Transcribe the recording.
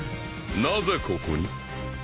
なぜここに？